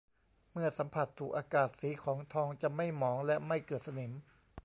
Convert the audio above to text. เมื่อสัมผัสถูกอากาศสีของทองจะไม่หมองและไม่เกิดสนิม